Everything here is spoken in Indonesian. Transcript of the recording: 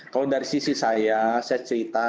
kalau dari sisi saya saya cerita